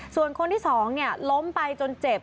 ส่วนคนที่สองเนี่ยล้มไปจนเจ็บ